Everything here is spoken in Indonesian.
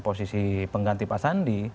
posisi pengganti pak sandi